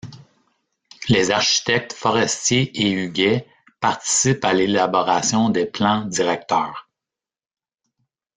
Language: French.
Les architectes Forestier et Hughet participent à l'élaboration des plans directeurs.